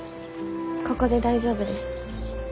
ここで大丈夫です。